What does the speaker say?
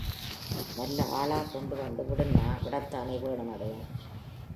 நல்ல ஆளா கொண்டு வந்து விடுன்னா விடத்தானே வேணும் அது?